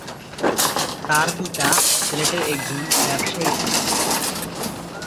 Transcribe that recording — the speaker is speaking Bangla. তার পিতা সিলেটের একজন ব্যবসায়ী ছিলেন।